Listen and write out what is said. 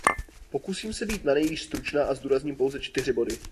Pokusím se být nanejvýš stručná a zdůrazním pouze čtyři body.